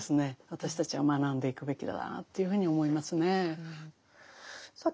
私たちは学んでいくべきだなというふうに思いますね。